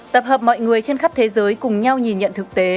tập hợp mọi người trên khắp thế giới cùng nhau nhìn nhận thực tế